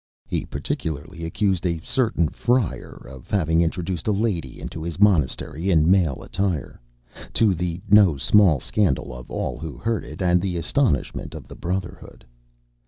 He particularly accused a certain friar of having introduced a lady into his monastery in male attire, to the no small scandal of all who heard it, and the astonishment of the brotherhood.